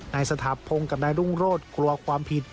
สถาพงศ์กับนายรุ่งโรธกลัวความผิด